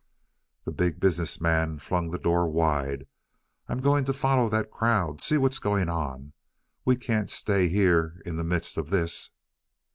The Big Business Man flung the door wide. "I'm going to follow that crowd. See what's going on. We can't stay here in the midst of this."